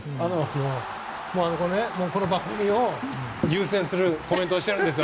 この番組を優先するコメントをしているんですよ